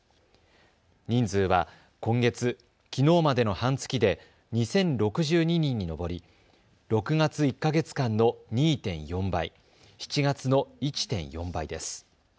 人数は今月、きのうまでの半月で２０６２人に上り６月１か月間の２．４倍、７月の１．４倍です。